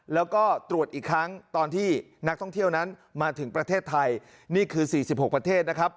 แล้วก็ตรวจอีกครั้งตอนที่นักท่องเที่ยวนั้นมาถึงประเทศไทยนี่คือ๔๖ประเทศนะครับ